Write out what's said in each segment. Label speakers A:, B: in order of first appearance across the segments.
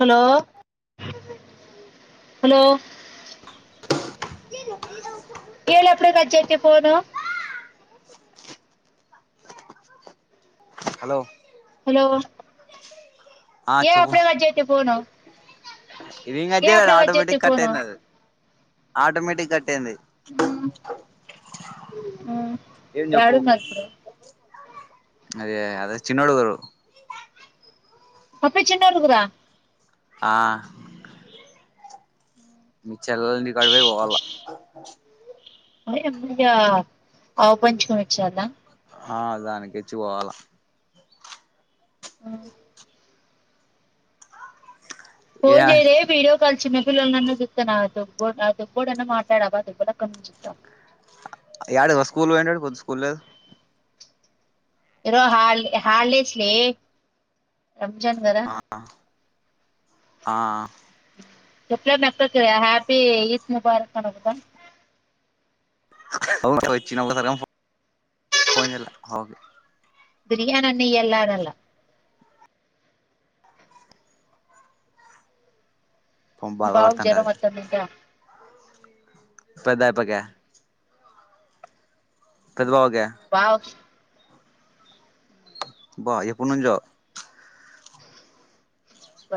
A: Hello hello
B: [unintelligible] [inaudible]
A: ఏళ అప్పుడే cut చేస్తే phone
B: hello
A: hello
B: ఆ
A: ఏ
B: చెప్పు
A: అప్పుడే కట్ జేత్తివి ఫోను
B: ఇది కట్
A: ఏ
B: జెయలే అది
A: అప్పుడే చేస్తే
B: ఆటోమటిక్
A: ఫోను
B: కట్టైంది అది ఆటోమేటిక్ కట్టేంది ఏంద్ జెప్పు
A: ఏడున్నారు ఇప్పుడు
B: అదే అదే చిన్నోడూ
A: పప్పి చిన్నఊరుగుర
B: ఆ మఉ చెల్లలింటికడివే పోవాల [inaudible]
A: ఆవు పంచకం ఇచ్చార్నా
B: ఆ దానికిచ్చి పోవాల
A: మఉ
B: ఏ
A: ఫోన్ చేయలే వీడియో కాల్ చిన్న జతనా దొ దుగబోడన మాట్లాడవ దుబ కమ్ జతా
B: య ఆడు స్కూల్ పోయోటోడు స్కూల్ లేద్
A: ఇరో హల్ హల్డస్లే
B: ఆ ఆ
A: ఎప్పుడ మ ఎప్ప క హ్యాపీి ఈద్ ముబార్క్ అనగుదా
B: వచ్చి [unintelligible]
A: బిర్యానీ అ నయి ఎలాడల బావకు జ్వరం
B: బాధపడుతుంటది
A: మత్త నికా
B: పెద్దాయిపుక పెద్భావక
A: వావ్
B: బా ఎప్పు నుంచో
A: బ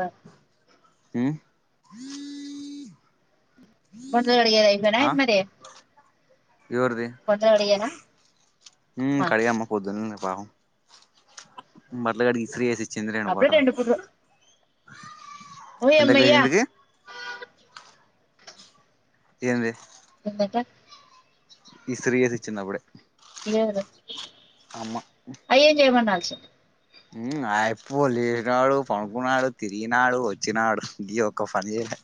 B: హమ్
A: బందలు అడిగేది ఐపోయిందా మరి కొంత అడియనా
B: హ కడిగమ్మకుపోద్ మలగ ఇస్త్రీ ఏసి చిందిరీనా
A: అప్పుడే
B: బటలు
A: రెండు పుట్లు
B: [inaudible] ఎంతకు
A: ఓయమ్మయ్య
B: అయింది ఏమే
A: ఎందట
B: ఈ శ్రీచ్చి నవ్వుడే
A: ఇయ్యారు అయ్యేం చేయమనాల్సి
B: ఉమ్ ఐపోలే రాడు పడుకున్నాడు తిరిగినాడు వచ్చినాడు ఇది ఒక ఫని చే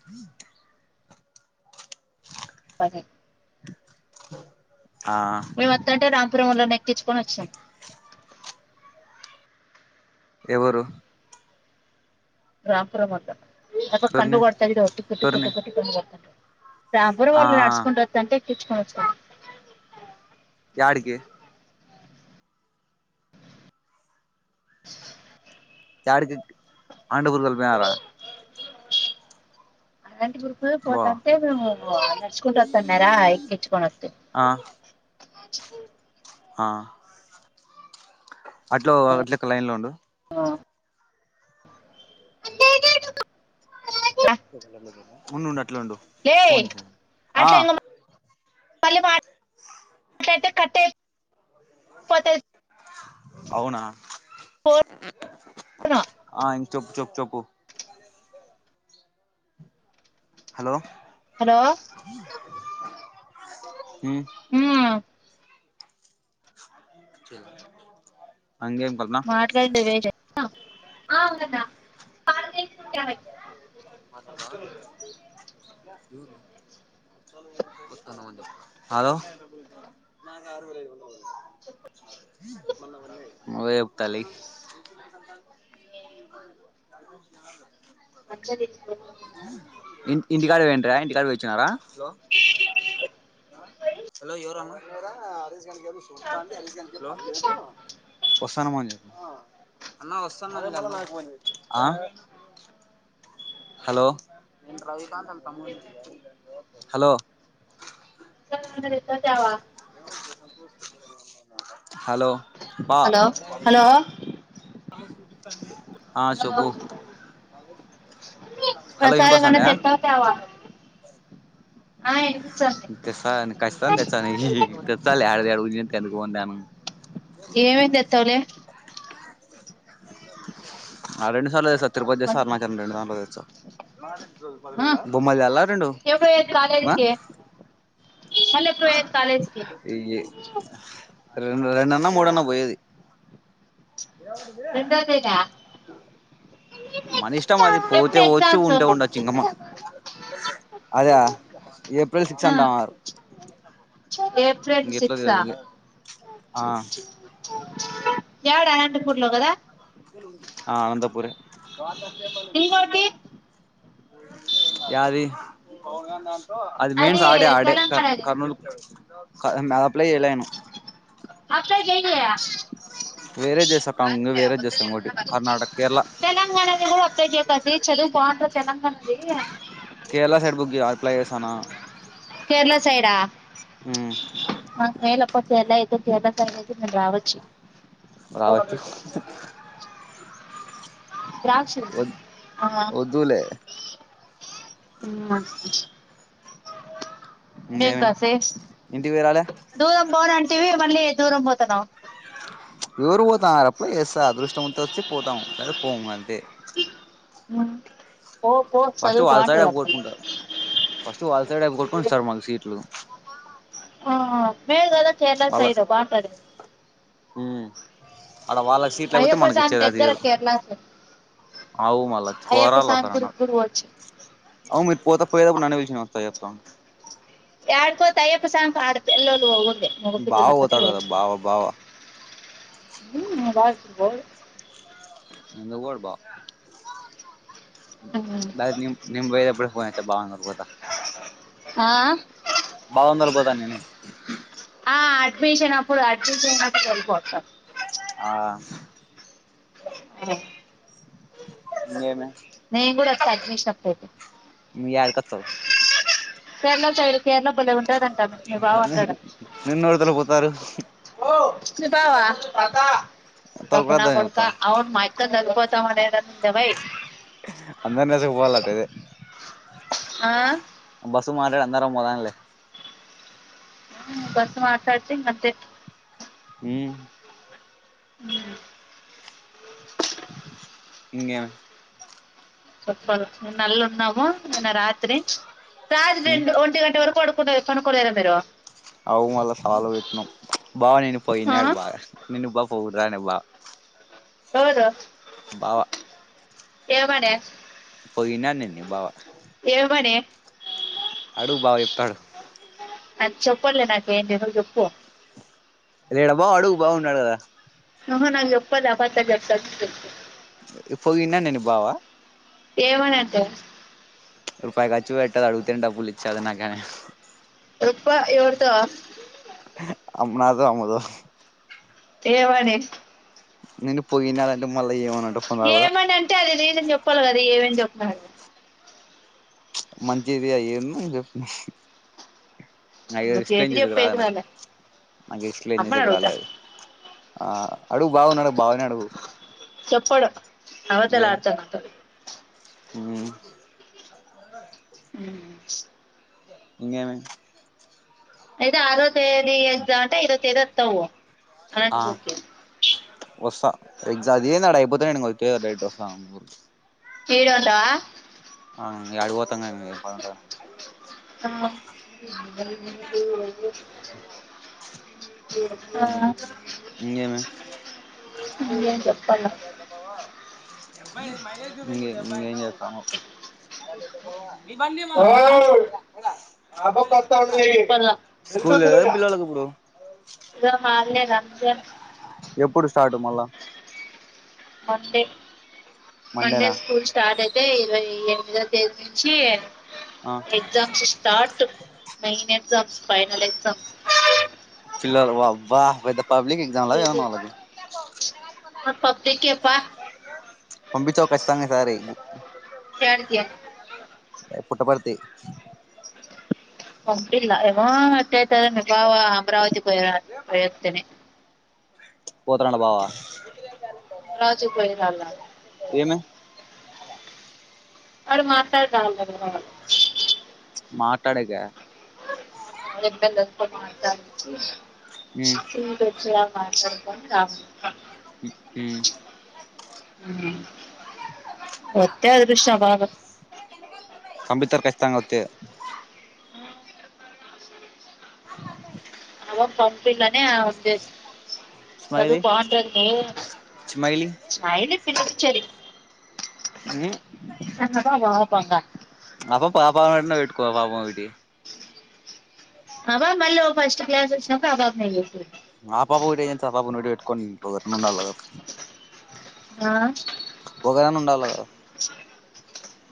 A: అదే
B: ఆ
A: మేమెత్తంటె రాంపురం వొల్లనే చుకొని వచ్చినం
B: ఎవరు
A: రాపురం అంట అప్ప కన్ను
B: ఎవర్ని
A: కొడతది ఒట్టు కొట్టు
B: ఎవర్ని
A: కొట్టు కొట్టి కంతా రాబరు
B: ఆ
A: వళ్ళు నడుసుకుంట వత్తంటే ఇచ్చుకోచ్చు
B: యాడికి చాడి జి పి టి ఆండ గురుగమార
A: బుడూకె
B: బా
A: పోతాంటే మేము నడుచుకుంట వత్తన్నారా ఎక్కించుకొని వత్తు
B: ఆ
A: ఆజ్కు
B: ఆ అట్లూ అట్లక లైన్ లో ఉండు ఉండు ఉండు ఆటే ట్లుండు
A: లే
B: ఫోన్ చే ఆ
A: అట్లా ఇంక మళ్ళీ మా యెట్టి కట్టేయ్ పొతది
B: అవునా
A: ఫోను
B: ఆ ఇం చెప్పు చాప్ చెప్పూ హలో
A: హలో
B: ఉ
A: ఉమ్
B: చ
A: మాట్లాడి వెస్ట్ ఆ అవుద ప
B: మట్టాడ్తవా ఎవరూ ఒత్తనం అని చెప్పు హలో నువ్వే చెప్పు తల్లీ
A: వేస్ట్
B: ఇంటి కాడా పెండ్రరా ఇంటికాడు పోయి వచ్చినారా ఆడ తీసుకు వస్తున్న మని చెప్పు ఆ హలో హలో
A: తవా
B: హలో పా
A: హలో హలో
B: ఆ చెప్పు హలో
A: ప్రసాదం గాని
B: వినిపిస్తుందా
A: తేత్తవా తేవా
B: తెస్తా కచ్చితంగా తెస్తా ఇ తెస్తాలే హడ తేడు [unintelligible]
A: ఏమేం తెత్తావులే
B: ఆ రెండుసార్లు తెస్తా తిరుపతిదే సారు మంచిగా అళ్లు తెస్తారు
A: ఆ
B: [unintelligible] బొమ్మలు తేవాలా రెండు ఆ
A: మల్ల ఎప్పుడు పోఏది కాలేజీకి
B: ఈ రెండు రెండు అన్న మూడు అన్న పోయేది
A: రెండు [unintelligible]
B: మన ఇష్టం అది పోతే పోవచ్చు ఉంటే ఉండచు ఇంకా, మ అద ఏప్రిల్ సిక్స్
A: ఆ
B: అంటన్నారు,
A: ఏప్రిల్
B: ఇంకెట్లా
A: సిక్సా
B: తెల్వదు ఇగ అ
A: ఎవడా ఎం స్కూల్లో కదా
B: ఆ అనంతపూర్ ఏ
A: ఇంకోటి
B: యది అది మెయిన్స్ ఆడే ఆడే క కర్నూలు అది అప్లై చేయలేను
A: అక్కయకి చెయ్యి
B: వరే దెస కాంగ్
A: అంతే
B: వేరే దెసం
A: వద్దులేదన్న
B: గొటి
A: వదిలింది
B: కర్ణాటక కేరళ
A: తెలంగాణది కూడా అప్లై చేయకసి చదువు పాట్ర తెలంగాణది
B: తన
A: కేరళ సైడా
B: మ్మ్
A: అ మేలప్ప సేయిల్ కేరళ సైడ్ అయితే నేను రావచ్చు
B: రావచ్చు
A: ద్రాక్షస్
B: వద్ వద్దులే
A: మ్
B: ఇంకేమి
A: వేకాసే
B: ఇంటికి పోయి రాలే
A: దూరం బో మళ్ళీ దూరం పోతున్నావ్
B: యోరు పోతాన్నారు పోయిస్సే అదృష్టం వంతు వచ్చి పోతం లేదా పోము అంతే
A: ము
B: ఫస్ట్ వాళ్ళ సైడ్ బోకొట్టుకుంటారు, ఫస్ట్ వాళ్ళ సైడ్ బోకొట్టుకుని ఇస్తారు మాకు సీట్లు
A: ఆ, మేలు కదా కేరళ
B: వాళ్ళ
A: సైడ్ బాగుంటుంది
B: అడ వాళ్ళకి సీట్లుకపోతే
A: అయ్యప్ప
B: మనకి
A: స్వామి
B: ఇచ్చేది
A: దగ్గర
B: లేదాయ్యారు
A: కేరళ సైడ్
B: అవు మళ్ళా
A: అయ్యప్ప
B: పోరాల
A: స్వామి
B: వస్తారు
A: గుడికి
B: అన్నారు,
A: కూడా పోవచ్చు
B: అవు మీరు పోతా పోయేప్పుడు నన్ను పిలిచిన వస్తా
A: యడుకపోతా అయ్యప్ప స్వామి ఆడుపిల్లోళ్లు పొగుడుదు.
B: బావ పోతాడు కదా బావా బావా
A: మా బావ [unintelligible]
B: ఎందుకు బావకు నేన్ నిన్ పోయేతప్పుడు ఫోన్ ఎత్త బావని తొడపోతా
A: హా
B: బావనితోలుకుపోతా నేను
A: ఆ అడ్మిషన్ అప్పుడు అడ్మిషన్ ఎల్పోత
B: ఆ
A: ఆ
B: ఇంగెమి
A: అడ్మిషన్ అప్పోతే
B: మీ యాడికొతావ్
A: రెండోసైడ్ క్ కేరళ బలే ఉంటాదంటా మీ బావంటాడు
B: బారు
A: మీ బావ
B: తోలుకురావద్దని
A: గబ్బునాకొడకా అవును మాయక్కా తోలుపోత్ టమటా ఎయిడం
B: అందరినీ తీస్కుపోలాటా అదే
A: ఆ
B: ఇది మాటాడి అందరం పోదాంలే
A: బస్ మాట్లాడ్తే ఇంకంతే
B: హ్మ్
A: ఉ
B: ఇంగేమి
A: చొప్పాలి రెన్నేళ్ళున్నాము నిన్న రాత్రి రాత్రి
B: ఉమ్
A: రెండు ఒంటి గంట వరకు పడ్ కనుకుడా యేర మీరు
B: అవు మళ్ళ ఫాలో కొట్టినం బావ నిను పొగిడినాడు
A: ఆ?
B: బాగా నిన్న బా పోగ్ రాని బా
A: ఎవరు
B: బావా
A: ఏ మడే
B: పోయినానిన్ నీ బావా
A: ఏమని
B: అడు బావ చెప్తాడు
A: అది చెప్పడ్ లే నాకు ఏంటి నువ్ చెప్పు
B: లేడా బావ అడుగు బావ ఉన్నాడు కదా
A: అహ నా జెప్పలే అబద్ధల్ జెప్పదు
B: ఇ పోయిన్న నేనీ బావా
A: ఏవన అంటవ్
B: రూపాయి ఖర్చు పెట్టడు అడుగుతనే డబ్బులిచ్చడు నాకేం
A: రొప్ప ఎవరు ట
B: నాతో అమతో
A: ఏ వడె
B: నిను పోయినాదాంటె మళ్ళ ఏమనంటే ఫోన్ రాగుడదా
A: అంటే అది జాం జెప్పాల్గదా ఏమని చెప్పాలి
B: ప్చ్ మంచిది అయ్యేం నువ్ జప్పు నాకైతే
A: నువ్వు
B: ఎక్సప్లయిన్
A: చేతి
B: జేసేకి రాదు
A: చెప్పేది
B: నాకి
A: వాళ్ళే
B: నాకు ఎక్సప్లయిన్
A: అమ్మని
B: జేసేకి
A: అడుగుతా
B: రాలే అది అడుగు బావనడుగు బావనే అడుగు
A: చప్పడు అబద్ధాలాడతాడు నాతో
B: ఊమ్
A: ఊమ్
B: ఇంగెమి
A: అయితె ఆరో తేదీ ఎగ్జామ్ అంటే ఐదో తేదీ అత్తవు
B: ఆ ఒసా ఎక్స అదే అడ అయిపోతే నేనింగ ఒచ్చేదే డైరెక్ట్ వస్తాను అనంతపూరికి
A: ఈడే ఉంటవా
B: అ ఇంగాడికిపోత తంగా ఈ పంట
A: అ [unintelligible]
B: ఉమ్
A: ఆ,
B: ఇంకేమీ
A: ఏం చెప్పాలా
B: ఇంగే ఇంగేజెతనవ్ నిబందిమబోదా
A: చెప్పాలా
B: స్కూల్ లెవా పిల్లోళ్ళాకిప్పుడు
A: అ లేదా
B: ఎప్పుడు స్టార్ట్ మళ్ళా
A: మండే మండే
B: మండేనా
A: స్కూల్ స్టార్ట్ అయితే ఇరవై ఏ ఇదో తేదొచ్చి
B: ఆ
A: exams start main exams final exams
B: వా వాహ్ పబ్లిక్ ఎగ్జామ్లా ఎమన్నా వాళ్లకి
A: పబ్లిక్ ఎప్ప
B: పంపిచ్చావ్ కచ్చితంగ ఈసారి అ
A: యాడికి
B: ఏ పుట్టపర్తి
A: ఒప్పిల్ల ఏమొ ఎట్టయితదో ఇంగ బావ అమరావతి పోయిరాళ్ల పొయ్యేత్తేనే
B: పోతున్న బావా
A: రాజు పోయిరాల్ల
B: ఏమ
A: అడు మాట్లాడుతాండారు
B: మాట్లాడేక
A: ఎ మా క అచ్చ
B: ఉమ్
A: ర చలు కాఫ
B: ఉమ్
A: ఒత్తే అదురుష్టం ఆ పాపది
B: తర్ కచ్చితంగోస్తే య
A: అ పంపిననే ఆ ఉదేశ్యం చదువు
B: స్మైలీ
A: బాగుంటది
B: స్మైలీ
A: నో చెది
B: ఏ
A: వాపంగా
B: ఆ పాపా వెటుకో పాపగటి
A: అవ మళ్ళ ఫస్ట్ క్లాస్ వొచ్చినాక అవా నంది
B: కొన్ని పొగరు ముండలు కదక్క
A: ఆ
B: ఒకరైనా ఉండాలి కదా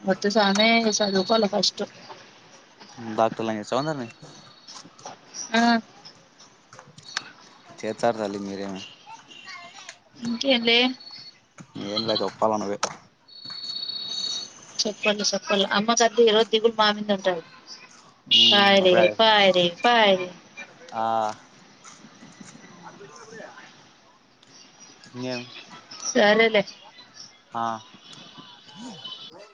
A: వద్దు సామీ సదువుకోళ్ల ఫస్ట్
B: డాక్టర్లే చవందా
A: అ
B: చెచ్చారు తల్లి మీరేమో
A: ఇంకేంలే
B: ఎమ్లా జొప్పాల్ల నువ్వే
A: చెప్పల్ల చెప్పల్ల అమ్మ కద్దు ఈరోజు దిగుల్ మామింద ఉంటది
B: ఉమ్
A: పాయిరే పాయిరే పాయిరే
B: అ ఇంగేమ్
A: సరేలే
B: అ